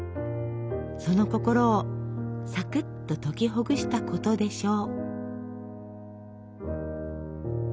その心をサクッと解きほぐしたことでしょう。